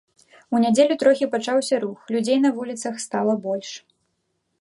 У нядзелю трохі пачаўся рух, людзей на вуліцах стала больш.